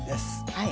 はい。